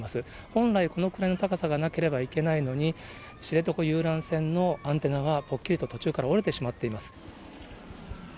本来、このくらいの高さがなければいけないのに、知床遊覧船のアンテナはぽっきりと途中から折れてしまっています。